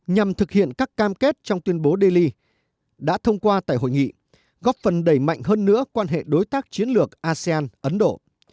nhằm thực hiện các cam kết trong tuyên bố delhi đã thông qua tại hội nghị góp phần đẩy mạnh hơn nữa quan hệ đối tác chiến lược asean ấn độ